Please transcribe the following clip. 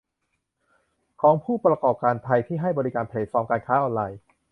ของผู้ประกอบการไทยที่ให้บริการแพลตฟอร์มการค้าออนไลน์